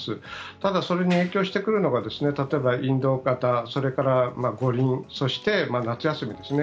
ただ、それに影響してくるのが例えば、インド型それから五輪そして夏休みですね。